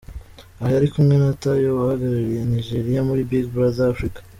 Aha yari kumwe na Tayo wahagarariye Nigeria muri Big Brother Africa.